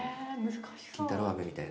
金太郎飴みたいな。